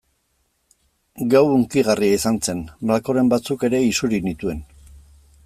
Gau hunkigarria izan zen, malkoren batzuk ere isuri nituen.